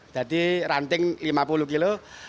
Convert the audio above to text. jadi ranting lima puluh kg